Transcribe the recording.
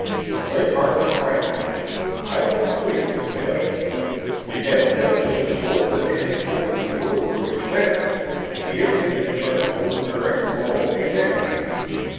Blake Hartley frowned. "I don't know," he confessed. "The evidence is the sort that any court in the world would accept, if it concerned ordinary, normal events.